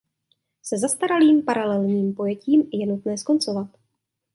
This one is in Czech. Se zastaralým paralelním pojetím je nutné skoncovat.